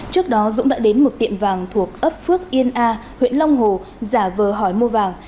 trước đó dũng đã đến một tiệm vàng thuộc ấp phước yên a huyện long hồ giả vờ hỏi mua vàng